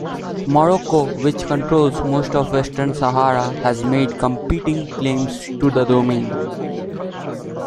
Morocco, which controls most of Western Sahara, has made competing claims to the domain.